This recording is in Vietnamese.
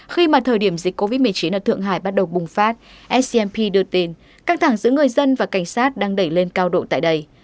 khi mà thời điểm dịch covid một mươi chín ở thượng hải bắt đầu bùng phát smp đưa tin căng thẳng giữa người dân và cảnh sát đang đẩy lên cao độ tại đây